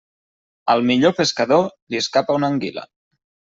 Al millor pescador, li escapa una anguila.